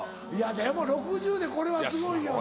でも６０でこれはすごいよ。